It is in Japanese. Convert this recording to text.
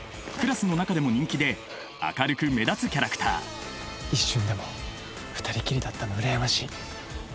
クラスの中でも人気で明るく目立つキャラクター一瞬でも２人きりだったの羨ましい。